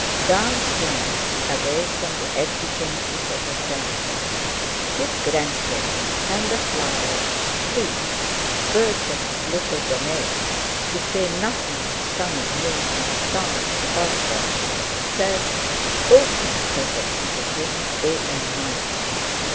Down here—away from the exigencies of affairs—his grandchildren, and the flowers, trees, birds of his little domain, to say nothing of sun and moon and stars above them, said, "Open, sesame," to him day and night.